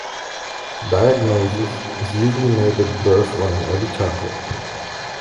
Diagnosis is usually made at birth or in early childhood.